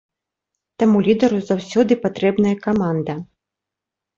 Таму лідару заўсёды патрэбная каманда.